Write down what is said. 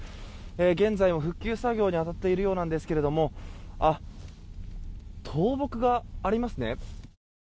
現在も復旧作業に当たっているようですけれどもあ、倒木がありますね。